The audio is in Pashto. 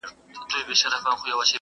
په زارۍ به یې خیرات غوښت له څښتنه.!